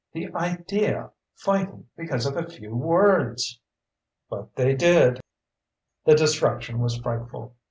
The idea fighting because of a few words! But they did. The destruction was frightful.